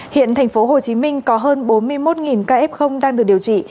hiện thành phố hồ chí minh có hơn bốn mươi một kf đang được điều trị